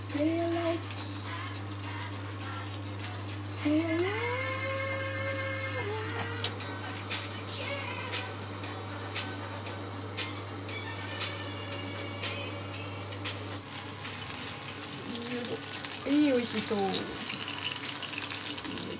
はいおいしそう。